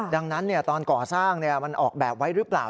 ดังนั้นตอนก่อสร้างมันออกแบบไว้หรือเปล่า